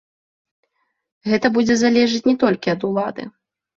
Гэта будзе залежыць не толькі ад улады.